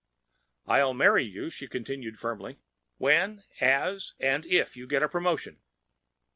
"I'll marry you," she continued firmly, "when, as and if you get a promotion."